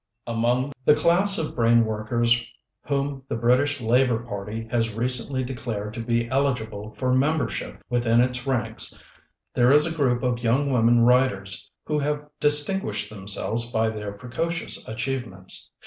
MONG THE CLASS of brainworkers whom the British Labor party has recently declared to be eligible for~ membership within its ranks there is a group of young women writers who have distin guished themselves by their precocious achievements.